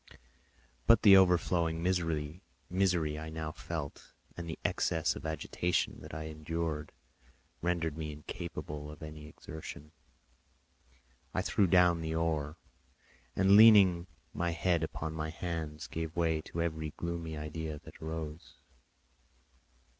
But the overflowing misery I now felt, and the excess of agitation that I endured rendered me incapable of any exertion. I threw down the oar, and leaning my head upon my hands, gave way to every gloomy idea that arose.